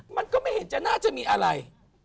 มันก็ไม่เห็นจะน่าจะมีอะไร